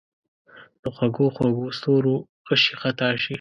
د خوږو، خوږو ستورو غشي خطا شي